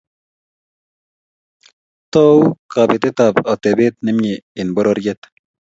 Tou kabetetab atebet ne mie eng pororiet